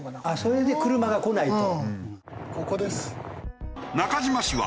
それで車が来ないと。